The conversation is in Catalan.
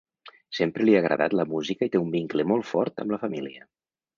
Sempre li ha agradat la música i té un vincle molt fort amb la família.